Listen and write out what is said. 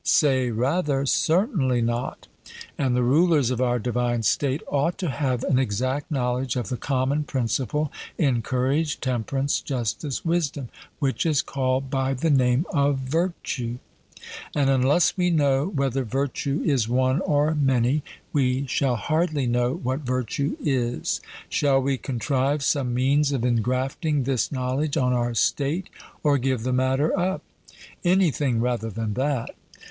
Say rather, 'Certainly not.' And the rulers of our divine state ought to have an exact knowledge of the common principle in courage, temperance, justice, wisdom, which is called by the name of virtue; and unless we know whether virtue is one or many, we shall hardly know what virtue is. Shall we contrive some means of engrafting this knowledge on our state, or give the matter up? 'Anything rather than that.'